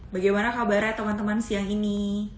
bagaimana kabarnya teman teman siang ini